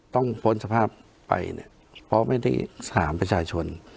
พ้นสภาพไปเนี่ยเพราะไม่ได้ถามประชาชน